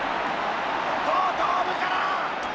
後頭部から！